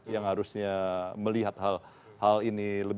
yang harusnya melihat hal